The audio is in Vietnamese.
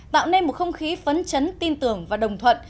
tạo nên một không khí phấn chấn tin tưởng và đồng thuận